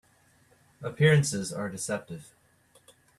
Appearances are deceptive.